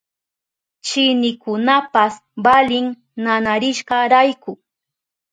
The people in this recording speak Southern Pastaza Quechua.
Chinikunapas valin nanarishkarayku.